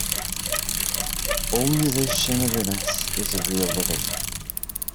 Only this shimmeriness is the real living.